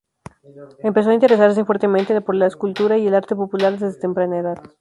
Empezó a interesarse fuertemente por la escultura y el arte popular desde temprana edad.